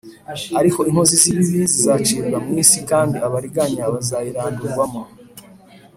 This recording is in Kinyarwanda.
ariko inkozi z’ibibi zizacibwa mu isi, kandi abariganya bazayirandurwamo